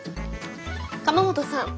鎌本さん